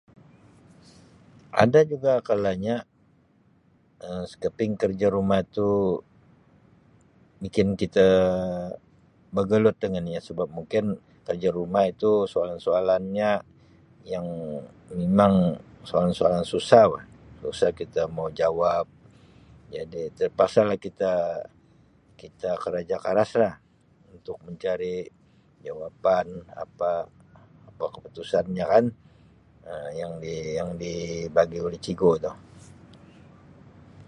Ada juga kalanya Um sekeping kerja rumah tu bikin kita begelut dengan ia sebab mungkin kerja rumah itu soalan-soalanya yang mimang soalan-soalan susah bah susah kita mau jawab jadi tepaksa lah kita kita keraja karaslah untuk mencari jawapan apa apa keputusanya kan Um yang di yang dibagi oleh cigu tu.